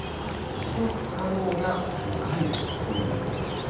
持続可能な魚介類という意味です。